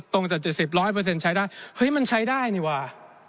๗๐ตรงจาก๗๐ร้อยเปอร์เซ็นต์ใช้ได้เฮ้ยมันใช้ได้นี่ว่า